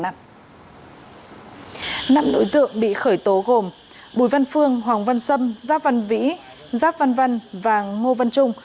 năm đối tượng bị khởi tố gồm bùi văn phương hoàng văn sâm giáp văn vĩ giáp văn văn và ngô văn trung